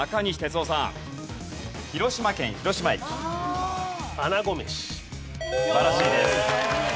素晴らしいです。